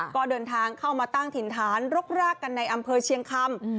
ก็เดินทางเข้ามาตั้งถิ่นฐานรกรากกันในอำเภอเชียงคำ